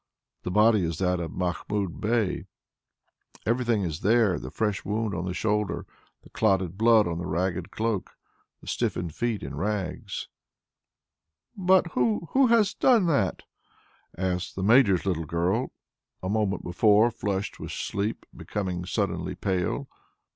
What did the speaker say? The body is that of Mahmoud Bey. Everything is there the fresh wound on the shoulder, the clotted blood on the ragged cloak, the stiffened feet wrapped in rags. "But who ... who has done that?" asks the Major's little girl, a moment before flushed with sleep, becoming suddenly pale.